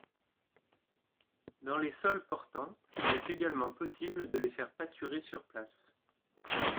Dans les sols portants, il est également possible de les faire pâturer sur place.